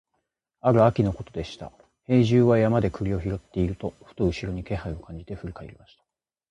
ある秋のことでした、兵十は山で栗を拾っていると、ふと後ろに気配を感じて振り返りました。